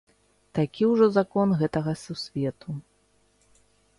Такі ўжо закон гэтага сусвету.